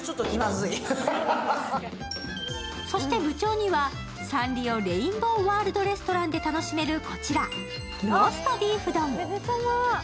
そして部長にはサンリオ・レインボー・ワールド・レストランで楽しめるこちら、ローストビーフ丼。